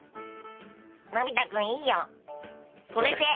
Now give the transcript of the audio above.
のび太くんいいよそれで！